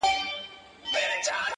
ته پر ګرځه د باران حاجت یې نسته,